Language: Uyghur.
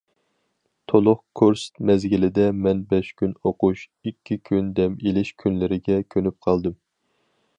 تولۇق كۇرس مەزگىلىدە مەن بەش كۈن ئوقۇش، ئىككى كۈن دەم ئېلىش كۈنلىرىگە كۆنۈپ قالدىم.